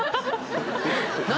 何？